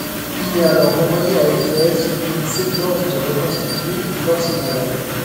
Il est alors envoyé à Éphèse, où il s'efforce de reconstituer les forces navales.